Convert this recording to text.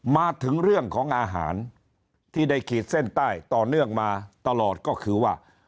มาถึงเรื่องของอาหารที่ได้ขีดเส้นใต้ต่อเนื่องมาตลอดก็คือว่า